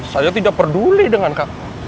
saya tidak peduli dengan kamu